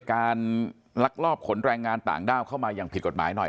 ลักลอบขนแรงงานต่างด้าวเข้ามาอย่างผิดกฎหมายหน่อย